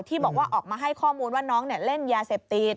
ที่บอกว่าออกมาให้ข้อมูลว่าน้องเล่นยาเสพติด